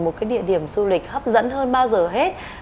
một cái địa điểm du lịch hấp dẫn hơn bao giờ hết